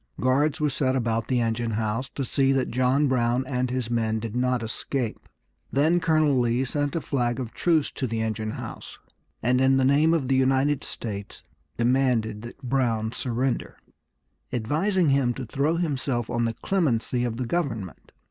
Guards were set about the engine house to see that John Brown and his men did not escape. Then Colonel Lee sent a flag of truce to the engine house, and in the name of the United States demanded that Brown surrender, advising him to throw himself on the clemency of the government.